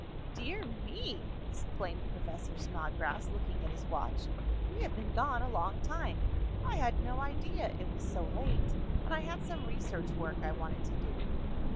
"Dear me!" exclaimed Professor Snodgrass, looking at his watch, "we have been gone a long time. I had no idea it was so late, and I had some research work I wanted to do."